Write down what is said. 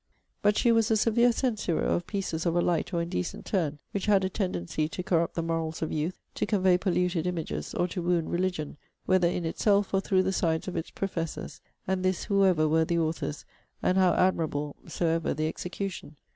But she was a severe censurer of pieces of a light or indecent turn, which had a tendency to corrupt the morals of youth, to convey polluted images, or to wound religion, whether in itself, or through the sides of its professors, and this, whoever were the authors, and how admirable soever the execution.